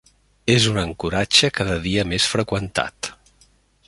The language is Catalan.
És un ancoratge cada dia més freqüentat.